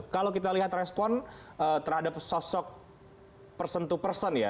kalau kita lihat respon terhadap sosok person to person ya